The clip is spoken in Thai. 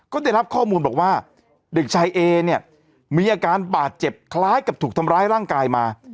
ก็ได้รับข้อมูลบอกว่าเด็กชายเอเนี่ยมีอาการบาดเจ็บคล้ายกับถูกทำร้ายร่างกายมา